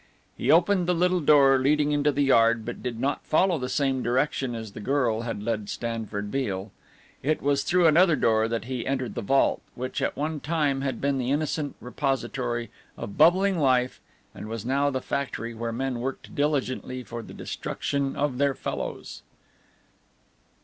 He opened the little door leading into the yard but did not follow the same direction as the girl had led Stanford Beale. It was through another door that he entered the vault, which at one time had been the innocent repository of bubbling life and was now the factory where men worked diligently for the destruction of their fellows.